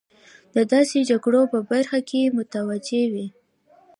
د داسې جګړو په برخه کې متوجه وي.